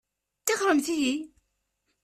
Tixxṛemt-iyi!